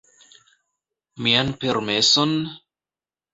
Mian permeson?